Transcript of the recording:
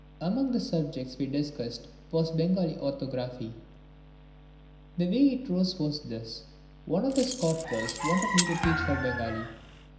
Among the subjects we discussed was Bengali orthography. The way it arose was this. One of the Scott girls wanted me to teach her Bengali.